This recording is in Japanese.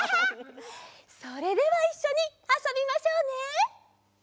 それではいっしょにあそびましょうね。